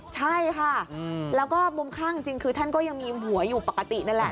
ใช่ค่ะแล้วก็มุมข้างจริงคือท่านก็ยังมีหัวอยู่ปกตินั่นแหละ